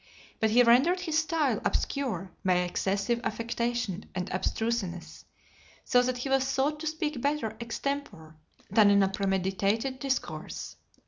But he rendered his style obscure by excessive affectation and abstruseness, so that he was thought to speak better extempore, than in a premeditated discourse.